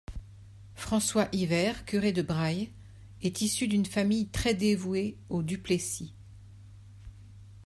François Yver, curé de Braye, est issu d'une famille très dévouée aux Du Plessis.